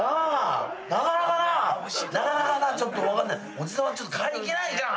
おじさんはちょっと買いに行けないじゃん。